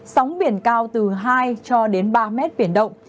sóng biển cao từ hai cho đến ba mét biển động